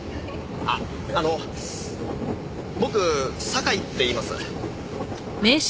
あっあの僕酒井っていいます。